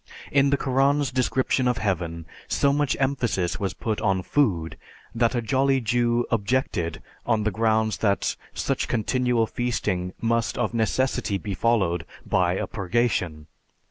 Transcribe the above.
In the Koran's description of heaven so much emphasis was put on food that a jolly Jew objected on the grounds that such continual feasting must of necessity be followed by a purgation.